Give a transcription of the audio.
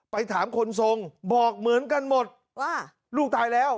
ไปถามคนทรงบอกเหมือนกันหมดว่าลูกตายแล้ว